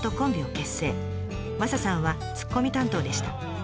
マサさんはツッコミ担当でした。